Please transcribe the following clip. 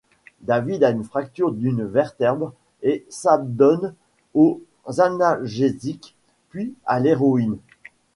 David a une fracture d'une vertèbre et s'adonne aux analgésiques, puis à l'héroïne.